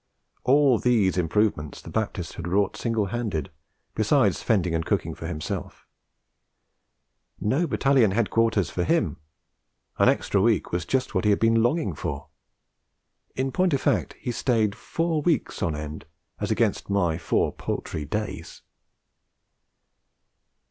All these improvements the Baptist had wrought single handed, besides fending and cooking for himself: no Battalion Headquarters for him! An extra week was just what he had been longing for; in point of fact, he stayed four weeks on end, as against my four paltry days!